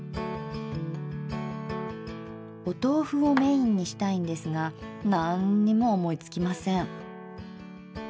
お豆腐をメインにしたいんですがなんっにも思いつきません。